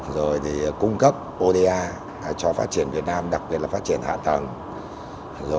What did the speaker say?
rồi thì cung cấp oda cho phát triển việt nam đặc biệt là phát triển hạ tầng